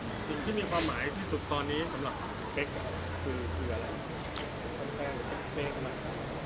สิ่งที่มีความหมายที่สุดตอนนี้สำหรับแบ๊กคืออะไรแฟนเป็นเพลงอะไร